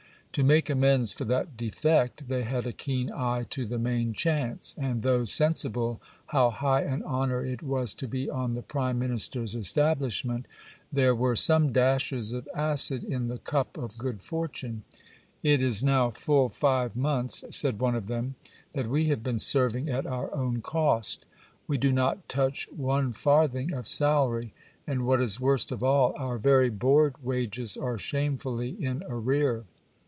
To make amends for that defect, they had a keen eye to the main chance ; and though sensible how high an honour it was to be on the prime minister's establishment, there were some dashes of acid in the cup of good fortune. It is now full five months, said one of them, that we have been serving at our own cost. We do not touch one farthing of salary ; and, what is worst of all, our very board wages are shamefully in arrear.